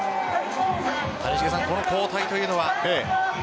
この交代というのは？